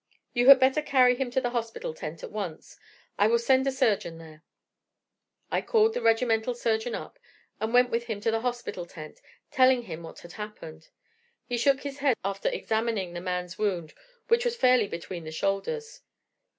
"'You had better carry him to the hospital tent at once; I will send a surgeon there.' "I called the regimental surgeon up, and went with him to the hospital tent, telling him what had happened. He shook his head after examining the man's wound, which was fairly between the shoulders.